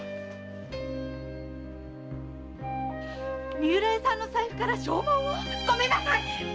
三浦屋さんの財布から証文を⁉ごめんなさい！